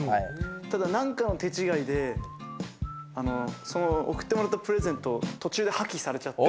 ただ何かの手違いで贈ってもらったプレゼント、途中で破棄されちゃって。